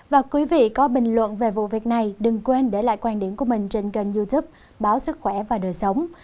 và quý vị có bình luận về vụ việc này đừng quên để lại quan điểm của mình trên kênh youtube báo sức khỏe và đời sống